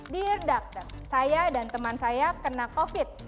dear doctor saya dan teman saya kena covid